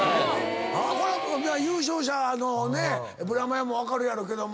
これは優勝者のブラマヨも分かるやろうけども。